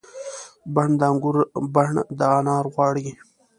بڼ د انګور بڼ د انار غواړي